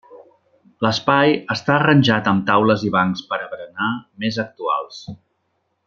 L'espai està arranjat amb taules i bancs per a berenar, més actuals.